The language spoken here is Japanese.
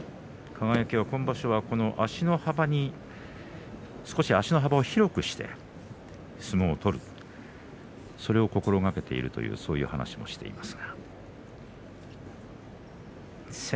輝が今場所は少し足の幅を広くして相撲を取るそれを心がけているという話をしています。